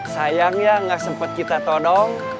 sayang ya gak sempet kita todong